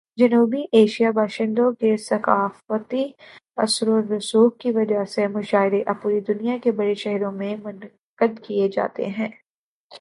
جنوبی ایشیائی باشندوں کے ثقافتی اثر و رسوخ کی وجہ سے، مشاعرے اب پوری دنیا کے بڑے شہروں میں منعقد کیے جاتے ہیں۔